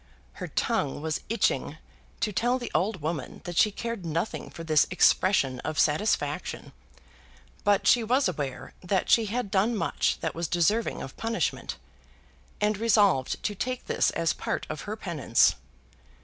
Her tongue was itching to tell the old woman that she cared nothing for this expression of satisfaction; but she was aware that she had done much that was deserving of punishment, and resolved to take this as part of her penance.